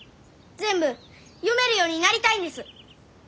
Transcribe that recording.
全部読めるようになりたいんです。